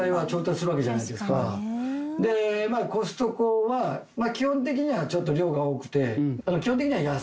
でコストコは基本的にはちょっと量が多くて基本的には安い。